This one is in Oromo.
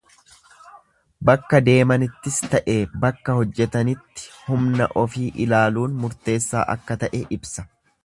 Bakka deemanittis ta'e bakka hojjetanitti humna ofi ilaaluun murteessaa akka ta'e ibsa.